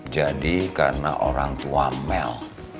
jadi karena orang tua mel